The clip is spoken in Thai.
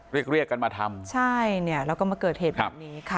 เรียกเรียกกันมาทำใช่เนี่ยแล้วก็มาเกิดเหตุแบบนี้ค่ะ